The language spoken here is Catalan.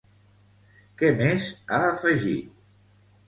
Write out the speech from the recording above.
Què més ha afegit?